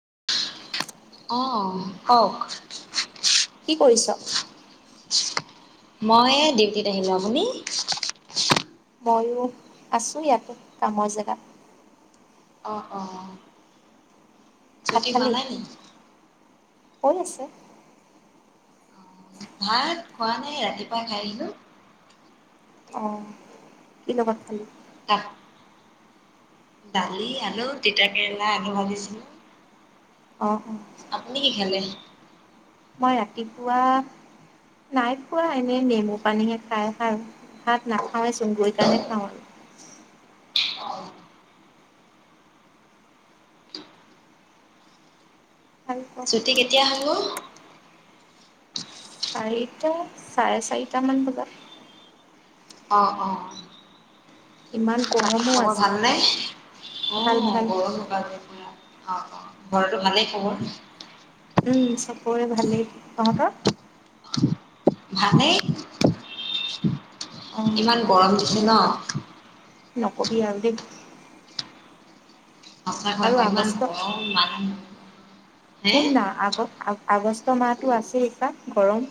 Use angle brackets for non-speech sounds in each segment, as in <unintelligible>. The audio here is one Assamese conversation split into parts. <inaudible> অ'কওঁক? কি কৰিছ? মই ডিউটিত আহিলো৷আপুনি? ময়ো আছো ইয়াতে৷কামৰ জেগাত৷ অ' অ' ভাত ছুটি হোৱা খালি? নাই নি? হৈ আছে৷ ভাত খোৱা নাই, ৰাতিপুৱা খাই আহিলোঁ৷ অ' কি লগত খালি? ভাত দালি, আলু, তিতা কেৰেলা, আলু ভাজিছিলো৷ অ' আপুনি কি খালে? মই ৰাতিপুৱা নাই খোৱা, এনেই নেমু পানীহে খাই অহা, ভাত না খাইছোঁ৷ গৈ কেনে খাওঁ আৰু আৰু ক? ছুটী কেতিয়া হয় অ'? চাৰিটা, চাৰে চাৰিটামান বজাত অ, অ'। ইমান বাকী গৰমো খবৰ আজি। ভালনে? অ' <unintelligible> ভাল অ' অ' ভাল। ঘৰতো ভালেই খবৰ? উম, চবৰে ভালেই৷ তহঁতৰ? অঁ, ভালেই৷ইমান গৰম দিছে ন? নক'বি আৰু দেই৷ সচাকৈ আৰু আকৌ ইমান আগষ্ট গৰম মানুহ হে? শুন না আগ আগষ্ট মাহতটো আছে কা গৰম।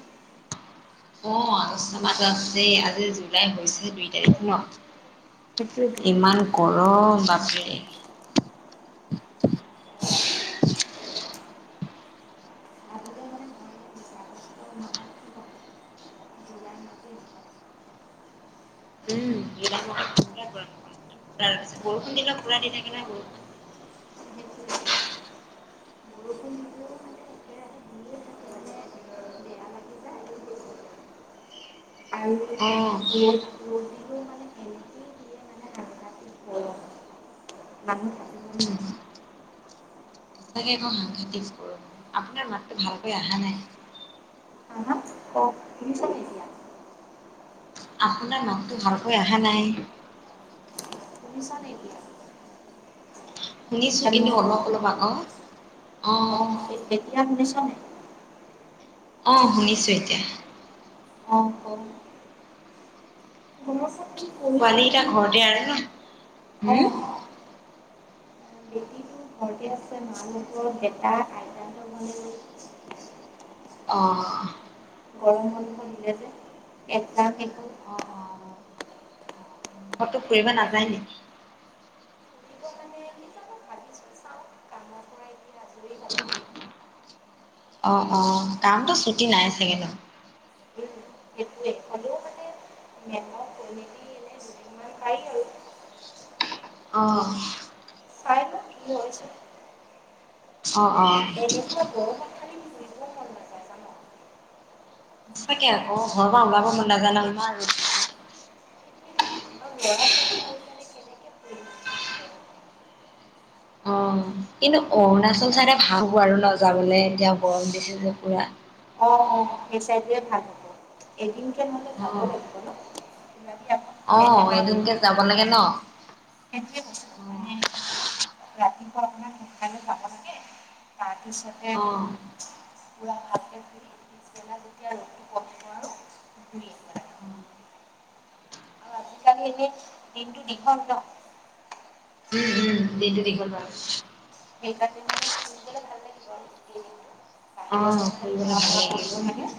অ' আগষ্ট মাহতো আছে দেই আজি জুলাই হৈছে দুই তাৰিখ ন? সেইটোৱেতো। ইমান গৰম। বাপৰে। উম, জুলাই মাহত কেনেকুৱা গৰম হ'ব। তাৰপিছত বৰষুণ দিলে পুৰা দি থাকে নহয় বৰষুণ। বেয়া লাগি যায় আৰু বেছি আহ। ৰ'দ ৰ'দ দিলেও মানে এনেকেই দিয়ে মানে ৰাতি ৰাতি গৰম মানুহ থাকিব নোৱাৰে সচাকে একো সাংঘাতিক কৰ। আপোনাৰ মাতটো ভালকৈ অহা নাই। হা হা অঁ শুনিছানে এতিয়া আপোনাৰ মাতটো ভালকৈ অহা নাই। মিছাতে এই বোৰ শুনিছোঁ কিন্তু হেল্ল' অলপ অলপ আকৌ, অ'। অঁ এতিয়া শুনিছ নে? অ'শুনিছোঁ এতিয়া। অঁ অঁ শুনচোন কি কৰিবি পোৱালীকেইটা ঘৰতে আৰু ন? অঁ হুম! তোমালোকৰ এটা <unintelligible> বনিলো। অহ। গৰম বন্ধ দিলে যে <unintelligible> অ', অ', অ', <unintelligible> ফুৰিব এক নাযায় নেকি? ফুৰিব মানে কি জানো <unintelligible> ভাবিছোঁ চাওঁ কামৰ পৰা এতিয়া আজৰি পালেহে অ', অ', কামটো ছুটি নাই চাগে। সেইটোৱে হ'লেও মানে মেমক কৈ মেলি এনে দুদিনমান পাৰি আৰু অহ। চাই লওঁ কি হয় অ' অ'। এনেকুৱা গৰমত খালি ফুৰিব মন নাযায় জান সচাকে অ'ক গৰমত উলাব মন নাযায়। <unintelligible> কেনেকে ফুৰিম ইমান গৰমত অ'। কিন্তু অৰুণাচল চাইদে ভালো আৰু ন, যাবলৈ এতিয়া গৰম দিছে যে পুৰা। অ', অ', সেই চাইডটোৱেই ভাল হ'ব, এদিনকে নহলে যাব অ', লাগিব ন? ওলাবি আকৌ অ, প্লেন এদিনকে যাব লাগে ন? সেইটোয়ে বস্তু অ', মানে, ৰাতিপুৱা অকমান সোনকালে পাব লাগে। অ', <unintelligible> পিছত এক <unintelligible> সালি এনে, দিনটো দীঘল ন? উম্, উম্, দিনতো দীঘল বাৰু। কেই কাটি মানে ফুৰিবলৈ ভাল লাগিব আৰু ক্লিনিকটো। অ', <unintelligible> মানে ফুৰিবলে খোৱা ভাল বোৱা লাগিব। কৰিব লাগে,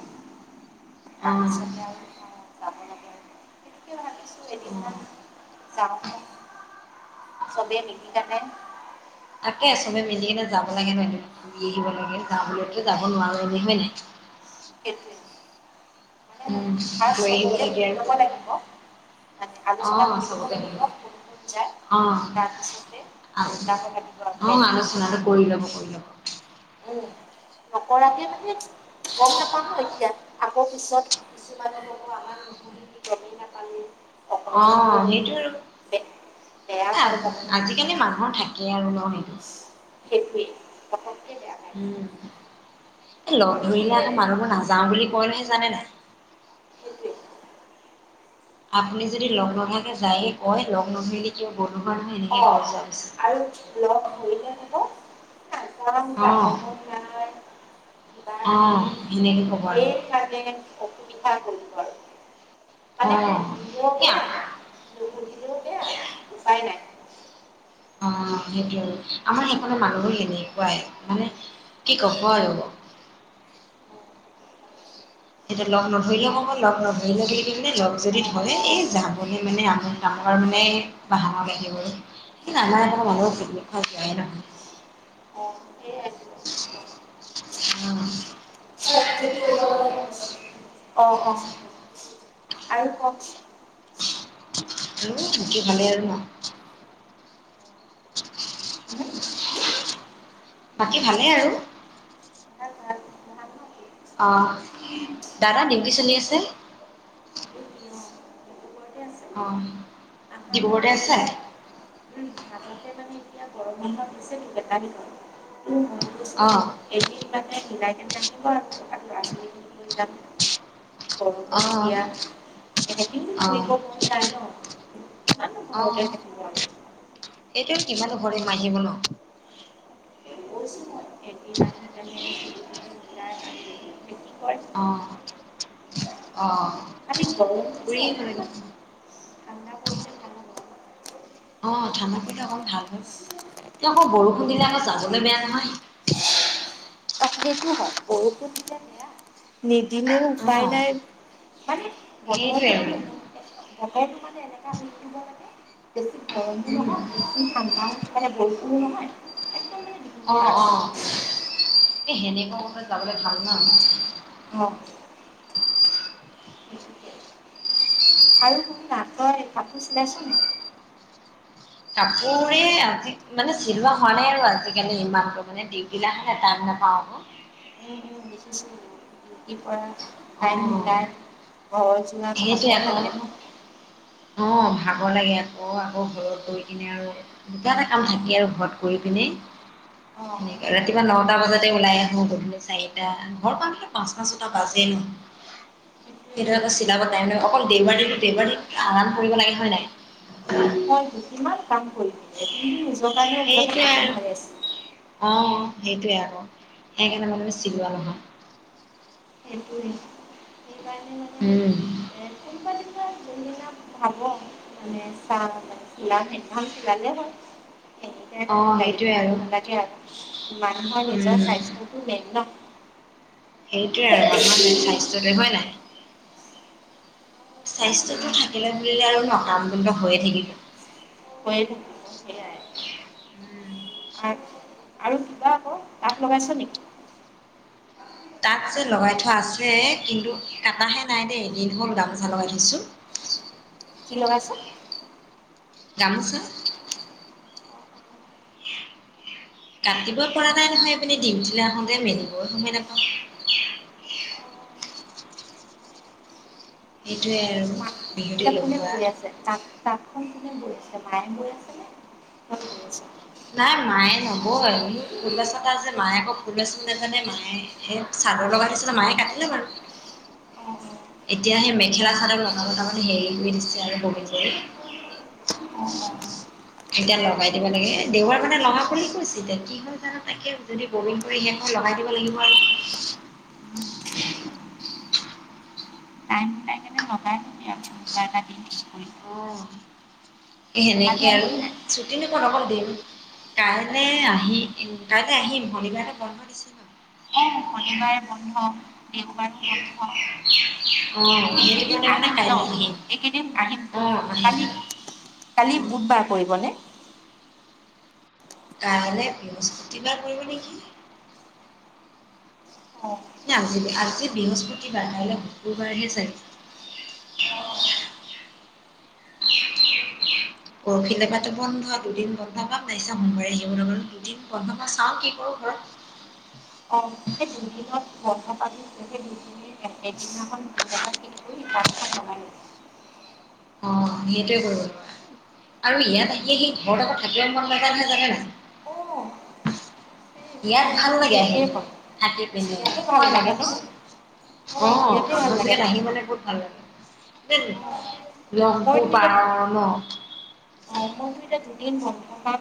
অ', তাৰপিছতে আৰু অ'। তোমাৰ <unintelligible> চবেই নিকিকানে? তাকে চবে মিলি কিনে যাব লাগে নহয়, ঘূৰি আহিব লাগে, যাবলৈতো যাব নোৱাৰো বুলি হয় নাই? কেতি। উম, গৈ আহিব চবকে লাগে সুধি আৰু। লব লাগিব, মানে আলোচনা অ', কৰি ল'ব চবকে লাগিব। যায় অ', ৰাপছতে অ', আলোচনাটো কৰি ল'ব কৰি ল'ব <unintelligible> উম, নকৰাকে মানে গম নাপাওঁ ন এতিয়া আকৌ পিছত কিছুমানে ক'ব আমাক নকলি গমেই নাপালে অ' সেইটো বেয়া পাই আৰু, যাব ন আজিকালি মানুহৰ ঠাই তাকে আৰু নহয় দি। সেইটোৱে বেয়া পাই যায় উম, লগ ধৰিলে আকৌ মানুহবোৰ নাযাও বুলি কলেহে জানে নাই? অ <unintelligible> আৰু লগ কৰিলে ক'ব নাযাও যাব অ', মন নাই? কিবা কিবি অ', সেনেকে ক'ব আৰু সেইকানে অসুবিধা কৰিব আৰু। মানে অ', সুধিলেও এয়া বেয়া নুসুধিলেও বেয়া উপায় নাই। অ' সেইটো আৰু আমাৰ সেইফালৰ মানুহ এনেকুৱাই মানে কি ক'ব আৰু। এতিয়া লগ নধৰিলেও ক'ব লগ নধৰিলে বুলি কানে লগ অ যদি ধৰে অ এই যাবলৈ মানে আমোক তামাক। ডৰ মানে বাহনক আহিব সেই নানা এৰণৰ অ মানুহৰ পিকনিক খোৱা যোৱাই নহয়। অ', সেয়াই <unintelligible> <unintelligible> অ', অ', আৰু কক উ তাক কি ভালে আৰু ন বাকী ভালেই আৰু। ভাল ভাল ভাল নহয় আহ দাদা দিউতি চলি আছে? ডিব্ৰুগড়তে আছে অ' আহা না ডিব্ৰুগড়তে আছে? এতিয়া অ' নাম্বাৰটো চেব থয় দিয়া অঁ <unintelligible> এনে আবা <unintelligible> থকা ল'ৰা ছোৱালীখিনি লৈ যাম গৰমত অঁ এতিয়া এদিনো ফুৰিব মন অঁ যায় ন', কিমান ঘৰতে থাকিব আৰু সেইটো কিমান ঘৰে মাাজিব ন'। চে <unintelligible> অ', অ'। খালি গৰমটো যে কিয় কালক <unintelligible> অকণমান ঠাণ্ডা পৰিলে ভাল হ'ব। অ' ঠাণ্ডাত অকমান ভাল হৈ পিছে। তেওঁ আকৌ বৰষুণ দিলে আকৌ যাবলৈ বেয়া নহয়। অ সেইটো হয় বৰষুণ দিলে বেয়া নি দিনেও উপায় অ', নাই মানে সেইটোৱে বতৰটো মানে ব মানে এনেকা ইউটিউবৰ লাগে। বেছি গৰমো উম, নহয় বেছি ঠাণ্ডা মানে বৰষুণো নহয়। মানে অ', ধুনীয়া আৰু অ'। এই সেনেকুৱা বতৰত যাবলৈ ভাল নহ। অ'। আৰু কোনো নাকই কাপোৰ চিলাইছোনে? উ। কাপোৰে আজি মানে চিলোৱা হোৱা নাই আৰু আজিকালি ইমানতো মানে দিগগিলা হ নে তান নাপ বাবু বিশখিছো <unintelligible> তি পৰা টাইম অ', মিলাই ঘৰ যোৱা সেইটোৱে প়াব আকৌ লাগে ন'। অ', ভাগৰ লাগে আকৌ আকৌ ঘৰত গৈ কিনে আৰু দুটা এটা কাম থাকি আৰু ঘৰত কৰি কিনে অ উ। সনে ৰাতিপুৱা নটা বজাতে ওলাই আহো গধূলি চাৰিটা ঘৰ পাওঁতে পাঁচটা ছটা বাজেই ন সেইটোৱেটো হৰা কছিলি <unintelligible> বাই অকল দেওবাৰী দেওবাৰী আৰাম কৰিব লাগে হয় নাই। হয় কিমান কাম কৰি নিজৰ কাৰণেও বিলাকো সেইটোৱে থাকে ন ৰেষ্ট। অ সেইটোয়ে আৰু সেইকাৰণে মানে চিলোৱা নহয় কোন উম, <unintelligible> যোনদিনা ভাবো মানে চাহ মে চিলা একাম চিলালে হয় <unintelligible> এনোই অ লাগিল সেইটোৱে দিব আৰু নালাগে আৰু মানুহৰ নিজৰ উম স্বাস্থ্যটো মেইন ন'। সেইটোৱে আৰুমান স্বাস্থ্যলৈ হয় নাই স্বাস্থ্যতটো থাকিলে বুলিলে আৰু ন', কাম বনটো হৈয়ে থাকিব। হৈয়ে থাকিব সেইয়া। উম। আৰু আৰু কিবা আকৌ তাঁত লগাইছা নেকি? তাঁত যে লগাই থোৱা আছে, কিন্তু কটাহে নাই দেই, এদিন হ'ল গামোচা লগাই থৈছো। <unintelligible> কি লগাইছা? গামোচা। <unintelligible> কাটিব পৰা নাই নহয়, এইপিনে দি ডিউটিলে আহোঁতে মেলিবই সময় নাপাওঁ। <unintelligible> সেইটোৱেই মা আৰু। বিহুতে এতিয়া কোনে লগোৱা বৈ আছে, তাক তাঁতখন কোনে বয় আছে, মায়ে বয় আছে নে তুমি বয় আছে। নাই মায়ে নবয়, বোলো ফুল বাচা এটা আছে, মায়ে আকৌ ফুল বাচিব নাজানে মায়ে। এই চাদৰ লগাই দিছিলে, মায়ে কাটিলে বাৰু। উম'। এতিয়া, সেই মেখেলা চাদৰ লতা লতা মানে হেৰি হৈ দিছে আৰু বমীন কৰি অ অ অ <unintelligible> এতিয়া লগাই দিব লাগে, দেউবাৰ মানে লগাওঁ বুলি কৈছে, এতিয়া কি হয় জানো তাকে যদি বমীন কৰি শেষ হয় লগাই দিব লাগিব আৰু <unintelligible> টাইম মিলাই কেনে লগাই লবি আৰু কোনোবা এটা দিন ঠিক কৰি অহ, এ কালি সেনেকে আৰু আহিবি নাই ছুটিনো কত অকল দেম। কাইলে আহি উম, কাইলে আহিম শনিবাৰে বন্ধ দিছে ন। অ শনিবাৰে বন্ধ, দেওবাৰো বন্ধ। অ সেইটো এইকেইদিন কাৰণে মানে আহিম ন'। কাইলে আহিম এইকেইদিন আহিম, অ আহিম কালি। কালি বুধবাৰ পৰিবনে? কাইলৈ বৃহস্পতিবাৰ পৰিব নেকি? অ এ আজিৰে আজি বৃহস্পতিবাৰ কাইলৈ শুকুৰবাৰহে চাগে। অহ'। পৰশিলে বা টো বন্ধ দুদিন বন্ধ পাম নাই চা মন‌ <unintelligible> দুদিন বন্ধ পাওঁ, চাওঁ কি কৰো। ঘৰত অ' সেইটোৱে সেই <unintelligible> এদিনাখন দিন এটা ঠিক কৰি তাঁতখন লগাই লওঁ। অহ' সেইটোৱেই কৰিব লোৱা। আৰু ইয়াত আহি আহি ঘৰত আকৌ থাকিব মন নাযায় নহয়, জানা অ নাই। চেম ইয়াত চেম ভাল মোৰ লাগে আহি একেই হয় থাকি পিনে, ইয়াতে ভাল হয় নাই লাগে ন কওঁচোন। অ অহ' ইয়াতে ভাল আপোনাৰ লাগে জেগাত আহি থাকি পেলাই বহুত ভাল লাগে। তাতে নেকি? অ লংকু মইতো এতিয়া পাহাৰৰ ন। অ মইতো এতিয়া দুদিন বন্ধ পাম,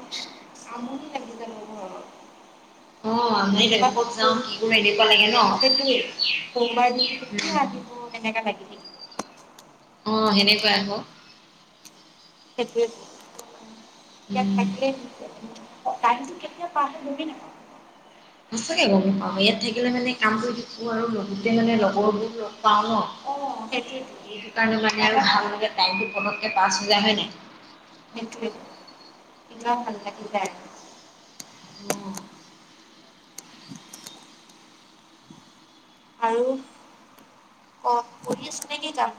আমনি লাগি যাব ঘৰত। অহ' আমনি লাগে, কোনোবা কত যাওঁ কোন কি কৰো এনেকুৱা লাগে ন'। সেইটোৱে সোমবাৰ দিনতো কেতিয়া আহিব, তেনেকা লাগি থাকে। অহ' সেনেকুৱাই আকৌ। সেইটোৱেইটো, ইয়াত উম। থাকলে অ' টাইমটো কেতিয়া পৰ হয় গমেই নাপাওঁ। সচাঁকে গম নাপাওঁ, ইয়াত থাকিলে মানে কামটো শিকো আৰু লগতে মানে লগৰবোৰ‌ লগ পাওঁ ন'। অ' সেইটোৱেতো সেইটো কাৰণে কিবা মানে আৰু এটা ভাল ভালে টাইম পটকে পাছ হৈ যায় হয় নাই। সেইটোৱেই, কিমান ভাল লাগি যায়। অহ'। আৰু, ক-কৰি আছো নেকি কাম।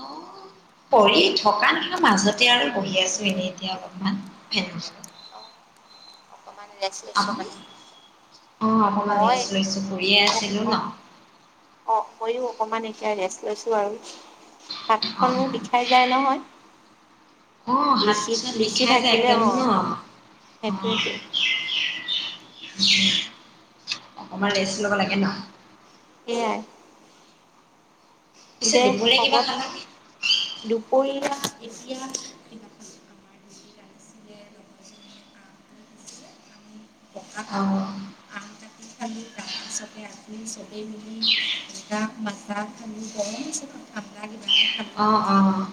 অহ'। পঢ়ি থকা নাই, মাজতে আৰু বহি আছো এনেই এতিয়া অলপমান। ফানৰ ওচৰত। লে <unintelligible> চ মানে। অ' অকমান মই ৰেষ্ট লৈছো কৰিয়ে অ', আছিলো ন। অ', অ' ময়ো। অকমান এতিয়া ৰেষ্ট লৈছো আৰু, হাত খনো অ' বিষাই যায় নহয়। অ', হাত লিখি চাত লিখি বিষাই যায় থাকিলে অ' একদমেই ন' অ'। সেইটোৱেতো উম, অকমান ৰেষ্ট ল'ব লাগে ন'। এয়াই। পিছে দে দুপৰীয়া কিবা শবত, খালানে? দুপৰীয়া এতিয়া কিবাখন আমাৰ ডিউটিত আহিছিলে লগৰজনীয়ে আম লৈ আহিছিলে আমি আহ'। খালিকা তাৰপিছতে আনি চবেই মিলি জগা মাজা খান গৰমছত ঠাণ্ডা কিবা অ', অ'।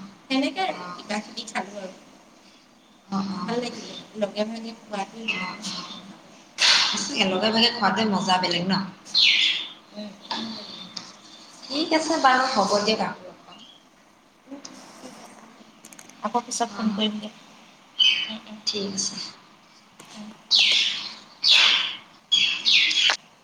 অ' কিবাখিনি খালো আৰু, অ' ভাল অ'। লাগিলে। লগে ভাগে খুৱাটোৱে <unintelligible> একেলগে ভগে খোৱাট মজা বেলেগ ন'। ভাল লাগিলে। ঠিক আছে বাৰু হ'ব দিয়ক আৰু। আকৌ পিছত পাম ফোন অ কৰিমগৈ। ঠিক আছে।